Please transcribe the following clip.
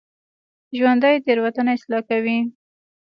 ژوندي تېروتنه اصلاح کوي